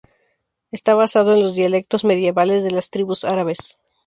Está basado en los dialectos medievales de las tribus árabes.